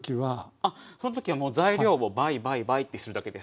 あっその時はもう材料を倍倍倍ってするだけです。